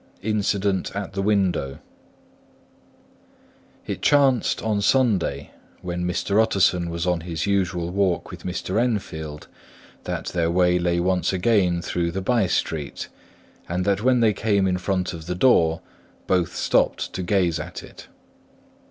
INCIDENT AT THE WINDOW It chanced on Sunday, when Mr. Utterson was on his usual walk with Mr. Enfield, that their way lay once again through the by street; and that when they came in front of the door, both stopped to gaze on it.